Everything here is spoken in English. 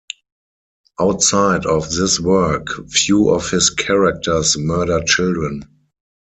Outside of this work, few of his characters murder children.